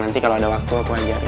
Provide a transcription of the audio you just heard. nanti kalau ada waktu aku pelajarin